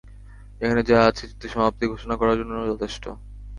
এখানে যা আছে যুদ্ধের সমাপ্তি ঘোষণা করার জন্য যথেষ্ট।